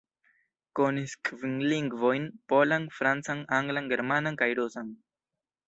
Konis kvin lingvojn: polan, francan, anglan, germanan kaj rusan.